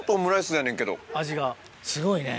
味がすごいね。